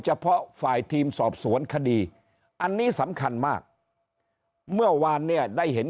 เฉพาะฝ่ายทีมสอบสวนคดีอันนี้สำคัญมากเมื่อวานเนี่ยได้เห็น